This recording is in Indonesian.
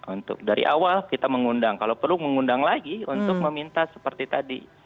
untuk dari awal kita mengundang kalau perlu mengundang lagi untuk meminta seperti tadi